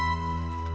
ceng eh tunggu